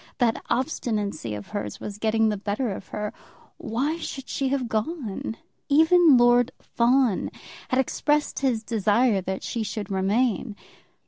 That obstinacy of hers was getting the better of her. Why should she have gone? Even Lord Fawn had expressed his desire that she should remain.